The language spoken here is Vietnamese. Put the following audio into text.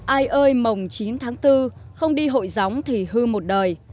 ai ơi mồng chín tháng bốn không đi hội gióng thì hư một đời